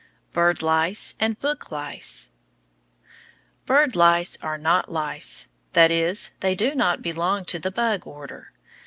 BIRD LICE AND BOOK LICE Bird lice are not lice! That is, they do not belong to the bug order.